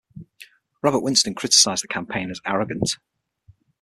Robert Winston criticised the campaign as "arrogant".